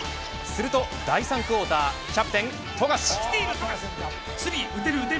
すると第３クオーターキャプテン富樫。